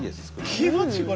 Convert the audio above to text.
気持ちいいな。